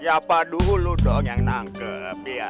siapa dulu dong yang nangkep ya ya